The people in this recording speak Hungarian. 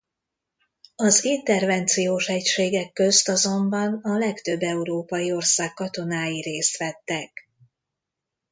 Az intervenciós egységek közt azonban a legtöbb európai ország katonái részt vettek.